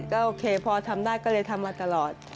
ก็โอเคพอทำได้ก็เลยทำมาตลอด